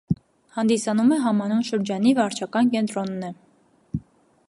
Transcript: Հանդիսանում է համանուն շրջանի վարչական կենտրոնն է։